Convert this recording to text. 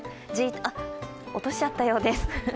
あっ、落としちゃったようです。